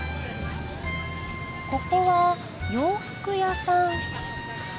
ここは洋服屋さん。